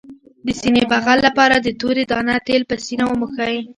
د سینې بغل لپاره د تورې دانې تېل په سینه ومښئ